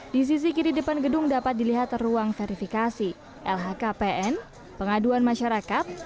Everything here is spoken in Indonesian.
di sisi kiri depan gedung dapat dilihat ruang verifikasi lhkpn pengaduan masyarakat